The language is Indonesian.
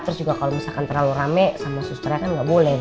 terus juga kalau misalkan terlalu rame sama sustra kan nggak boleh